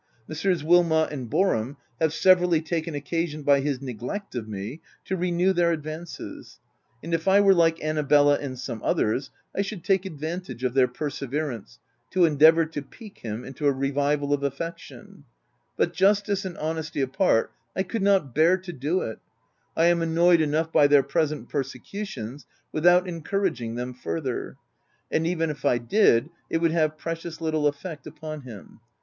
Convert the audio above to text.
Messrs. Wilmot and Boarham, have severally taken occasion by his neglect of me to renew their advances ; and if I were like Annabella and some others, I should take advantage of their perseverance to endeavour to pique him into a revival of affection ; but, justice and honesty apart, I could not bear to do it ; I am annoyed enough by their present persecutions without encouraging them farther ;— and even if I did, it would have precious little effect upon him.